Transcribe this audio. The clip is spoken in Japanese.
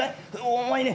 お前ね